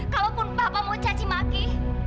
kalaupun papa mau mencaci maki